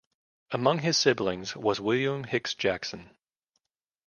Among his siblings was William Hicks Jackson.